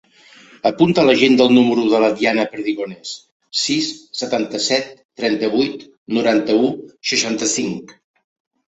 Apunta a l'agenda el número de la Diana Perdigones: sis, setanta-set, trenta-vuit, noranta-u, seixanta-cinc.